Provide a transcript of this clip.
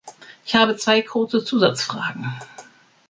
Ich habe zwei kurze Zusatzfragen.